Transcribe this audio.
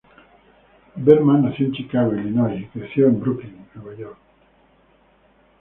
Berman nació en Chicago, Illinois, y creció en Brooklyn, Nueva York.